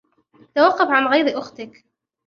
توقف عن غيظ أختك!